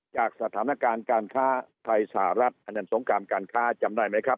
จากสถานการณ์การค้าไทยสหรัฐอันนั้นสงครามการค้าจำได้ไหมครับ